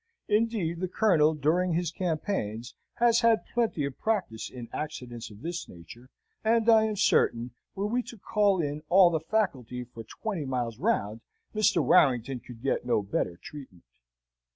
Indeed, the Colonel, during his campaigns, has had plenty of practice in accidents of this nature, and I am certain, were we to call in all the faculty for twenty miles round, Mr. Warrington could get no better treatment.